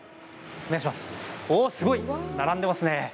おお、すごい並んでいますね。